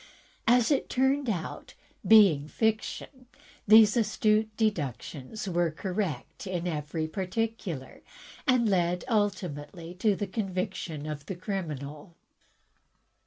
As it turned out, being fiction, these astute deductions were correct in every particular, and led ultimately to the conviction of the criminal!